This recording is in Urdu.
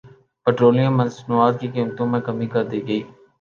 پٹرولیم مصنوعات کی قیمتوں میں کمی کردی گئی